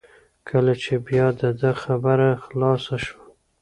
کله چې بیا د ده خبره خلاصه شول.